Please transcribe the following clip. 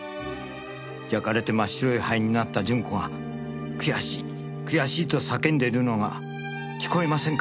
「焼かれて真っ白い灰になった順子が悔しい悔しいと叫んでいるのが聞こえませんか」